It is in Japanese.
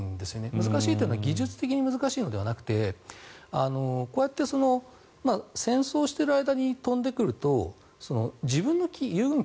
難しいというのは技術的に難しいのではなくてこうやって戦争をしている間に飛んでくると自分の自軍機